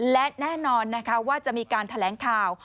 และแน่นอนนะคะว่าจะมีการแถลงข่าว